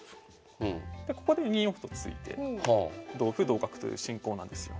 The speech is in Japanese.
でここで２四歩と突いて同歩同角という進行なんですよ。